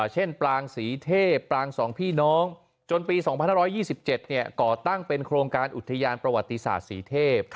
ปรางศรีเทพปราง๒พี่น้องจนปี๒๕๒๗ก่อตั้งเป็นโครงการอุทยานประวัติศาสตร์ศรีเทพ